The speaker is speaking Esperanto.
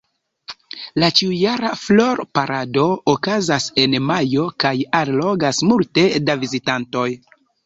La ĉiujara Flor-parado okazas en majo kaj allogas multe da vizitantoj.